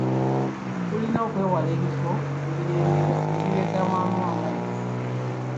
Tulina okwewala ebifo ebiregamamu amazzi.